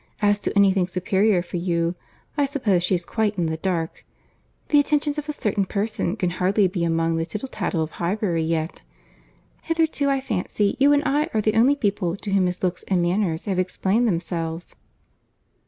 As to any thing superior for you, I suppose she is quite in the dark. The attentions of a certain person can hardly be among the tittle tattle of Highbury yet. Hitherto I fancy you and I are the only people to whom his looks and manners have explained themselves."